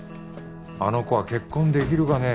あの子は結婚できるかね？